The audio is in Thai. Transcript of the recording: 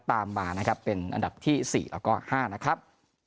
ตามมานะครับเป็นอันดับที่๔แล้วก็๕นะครับ